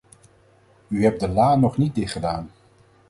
U hebt de la nog niet dichtgedaan.